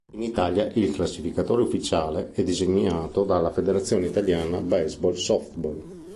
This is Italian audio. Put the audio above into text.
In Italia il classificatore ufficiale è designato dalla Federazione Italiana Baseball Softball.